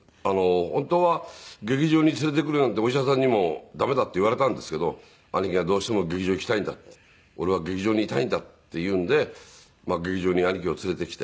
本当は劇場に連れてくるなんてお医者さんにも駄目だって言われたんですけど兄貴が「どうしても劇場に行きたいんだ」って「俺は劇場にいたいんだ」って言うんで劇場に兄貴を連れてきて。